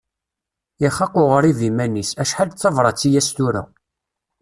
Ixaq uɣrib iman-is, acḥal d tabrat i as-tura.